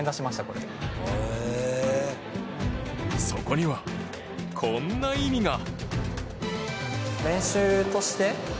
そこには、こんな意味が。